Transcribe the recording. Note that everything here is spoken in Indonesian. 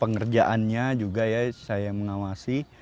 pengerjaannya juga saya mengawasi